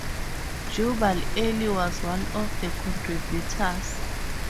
Jubal Early was one of the contributors.